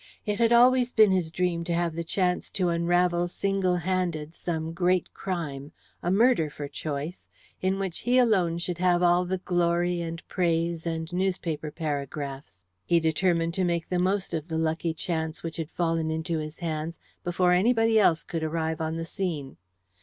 It had always been his dream to have the chance to unravel single handed some great crime a murder for choice in which he alone should have all the glory and praise and newspaper paragraphs. He determined to make the most of the lucky chance which had fallen into his hands, before anybody else could arrive on the scene.